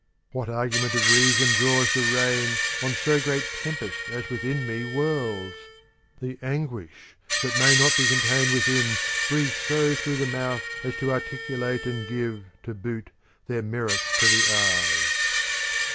What argument of reason draws the rein on so great tempest as within me whirls? 1 As from a bow. 2D 4;ii^ THE CONVIVIO T Ode The anguish, that may not be contained within, breathes so through the mouth as to articulate and give, to boot, their merit to the eyes.